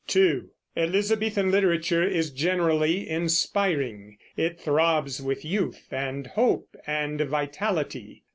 (2) Elizabethan literature is generally inspiring; it throbs with youth and hope and vitality.